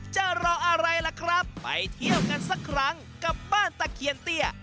จะรออะไรล่ะครับไปเที่ยวกันสักครั้งกับบ้านตะเคียนเตี้ย